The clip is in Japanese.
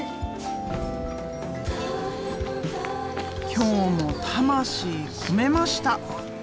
今日も魂込めました。